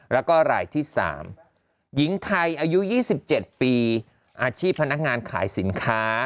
แล้วก็รายที่๓หญิงไทยอายุ๒๗ปีอาชีพพนักงานขายสินค้า